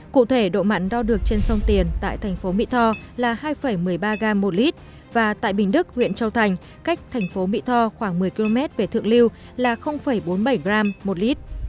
cụ thể độ mặn đo được trên sông tiền tại thành phố mỹ tho là hai một mươi ba gram một lit và tại bình đức huyện châu thành cách thành phố mỹ tho khoảng một mươi km về thượng lưu là bốn mươi bảy gm một lít